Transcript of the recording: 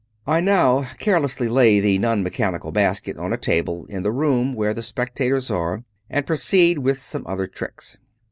I now carelessly lay the non mechanical basket on a table in the room where the spectators are and proceed with some other trieks.